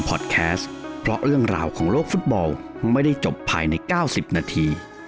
โปรดติดตามตอนต่อไป